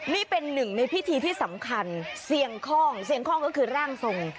นี่เป็นหนึ่งในพิธีที่สำคัญเสี่ยงคล่องเสียงคล่องก็คือร่างทรง